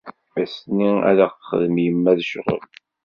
Ass-nni ad aɣ-texdem yemma d ccɣel.